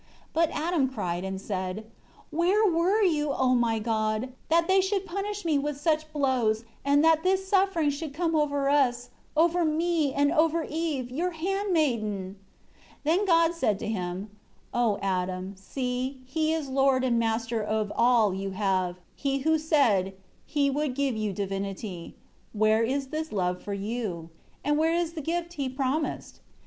5 But Adam cried and said, "Where were you, O my God, that they should punish me with such blows, and that this suffering should come over us; over me and over Eve, Your handmaiden?" 6 Then God said to him, "O Adam, see, he is lord and master of all you have, he who said, he would give you divinity. Where is this love for you? And where is the gift he promised?